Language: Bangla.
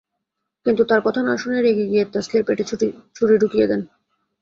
কিন্তু তাঁর কথা না শোনায় রেগে গিয়ে তাসলীর পেটে ছুরি ঢুকিয়ে দেন।